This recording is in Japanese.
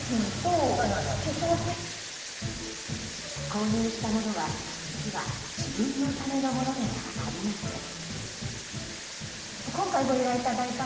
購入したものは実は自分のためのものではありません。